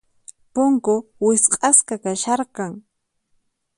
Punku wisq'asqa kasharqan.